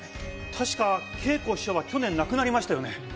確か桂子師匠は去年亡くなりましたよね？